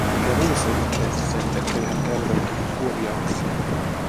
Mikä muu selittäisi sen, ettei hän kärventynyt kuoliaaksi?